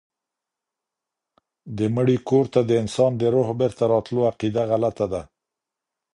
د مړي کور ته د انسان د روح بيرته راتلو عقيده غلطه ده